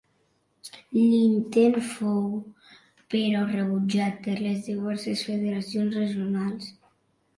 L'intent fou, però rebutjat per les diverses federacions regionals.